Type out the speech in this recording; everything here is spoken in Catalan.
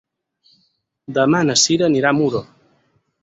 Demà na Cira anirà a Muro.